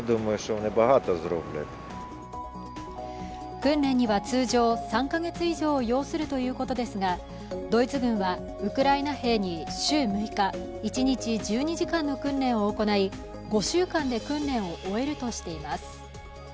訓練には通常、３か月以上を要するということですがドイツ軍は、ウクライナ兵に週６日、一日１２時間の訓練を行い、５週間で訓練を終えるとしています。